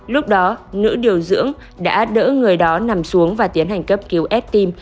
lúc đó nữ điều dưỡng đã đỡ người đó nằm xuống và tiến hành cấp cứu s team